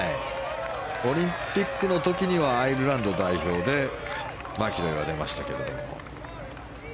オリンピックの時にはアイルランド代表でマキロイは出ましたけども。